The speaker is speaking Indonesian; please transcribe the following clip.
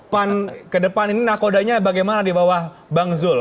pan ke depan ini nakodanya bagaimana di bawah bang zul